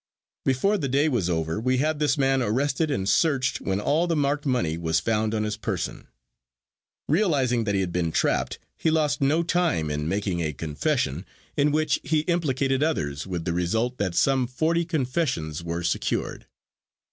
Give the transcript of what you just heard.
Before the day was over we had this man arrested and searched, when all of the marked money was found on his person. Realizing that he had been trapped, he lost no time making a confession, in which he implicated others, with the result that some forty confessions were secured.